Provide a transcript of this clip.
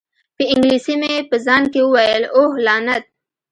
په انګلیسي مې په ځان کې وویل: اوه، لعنت!